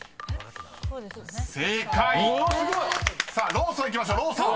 ［「ローソン」いきましょう「ローソン」］